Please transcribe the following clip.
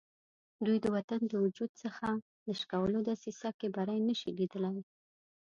دوی د وطن د وجود څخه د شکولو دسیسه کې بری نه شي لیدلای.